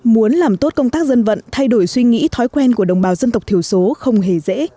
muốn làm tốt công tác dân vận thay đổi suy nghĩ thói quen của đồng bào dân tộc thiểu số không hề dễ